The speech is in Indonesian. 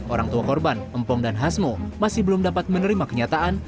orang tua korban empong dan hasmo masih belum dapat menerima kenyataan